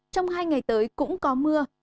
trong hai ngày tới cũng có mưa